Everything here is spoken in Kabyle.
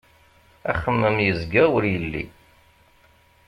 Axemmem yezga ur yelli.